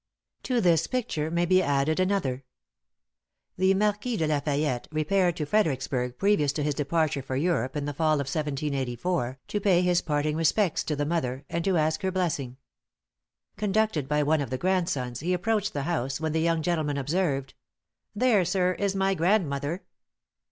To this picture may be added another: "The Marquis de La Fayette repaired to Fredericksburg, previous to his departure for Europe, in the fall of 1784, to pay his parting respects to the mother, and to ask her blessing. Conducted by one of her grandsons, he approached the house, when the young gentleman observed: 'There, sir, is my grandmother.'